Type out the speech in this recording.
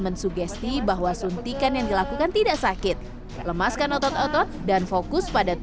mensugesti bahwa suntikan yang dilakukan tidak sakit melemaskan otot otot dan fokus pada